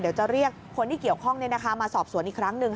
เดี๋ยวจะเรียกคนที่เกี่ยวข้องมาสอบสวนอีกครั้งหนึ่ง